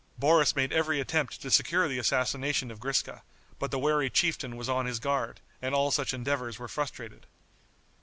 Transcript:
Boris made every attempt to secure the assassination of Griska, but the wary chieftain was on his guard, and all such endeavors were frustrated.